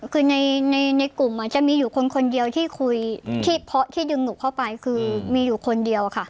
คือในกลุ่มจะมีอยู่คนคนเดียวที่คุยที่ดึงหนูเข้าไปคือมีอยู่คนเดียวค่ะ